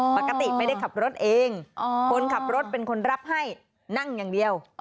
ปกติไม่ได้ขับรถเองคนขับรถเป็นคนรับให้นั่งอย่างเดียว